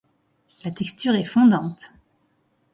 La texture est fondante.